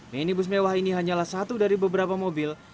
minibus mewah ini hanyalah satu dari beberapa mobil